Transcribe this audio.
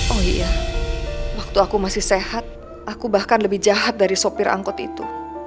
oh iya waktu aku masih sehat aku bahkan lebih jahat dari sopir angkot itu